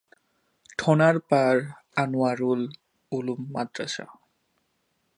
Thanarpar Anwarul Uloom Madrasa.